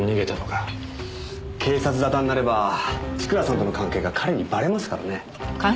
警察沙汰になれば千倉さんとの関係が彼にバレますからね。